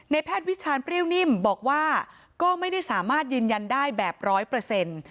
แพทย์วิชาณเปรี้ยวนิ่มบอกว่าก็ไม่ได้สามารถยืนยันได้แบบร้อยเปอร์เซ็นต์